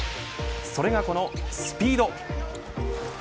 それがスピード。